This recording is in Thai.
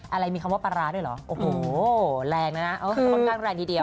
อะไรมีคำว่าปลาร้าด้วยเหรอโอ้โหแรงแล้วนะค่อนข้างแรงทีเดียว